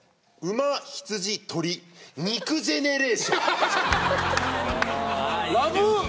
馬、羊、鳥肉ジェネレーション。